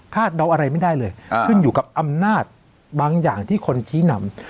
เดาอะไรไม่ได้เลยขึ้นอยู่กับอำนาจบางอย่างที่คนชี้นำ